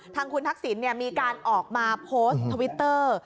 ทางคุณทักษิณมีการออกมาโพสต์ทวิตเตอร์